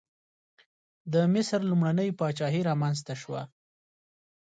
د مصر لومړنۍ پاچاهي رامنځته شوه.